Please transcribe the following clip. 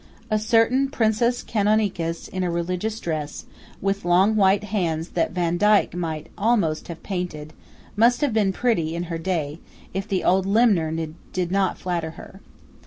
A certain "Princess Canonicus" in a religious dress, with long white hands that Vandyke might almost have painted, must have been pretty in her day, if the old limner did not flatter her.